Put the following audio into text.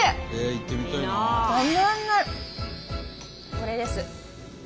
これです！